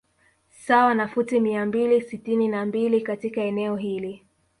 Sawa na futi mia mbili sitini na mbili katika eneo hili